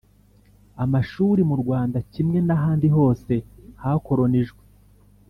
Amashuri Mu Rwanda kimwe n'ahandi hose hakolonijwe,